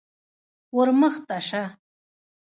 _ور مخته شه.